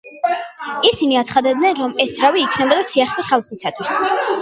ისინი აცხადებდნენ რომ ეს ძრავი იქნებოდა სიახლე ხალხისთვის.